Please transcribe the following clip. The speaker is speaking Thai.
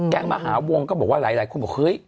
มหาวงก็บอกว่าหลายคนบอกเฮ้ย